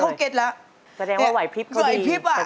โฮลาเลโฮลาเลโฮลาเล